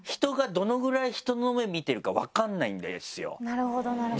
なるほどなるほど。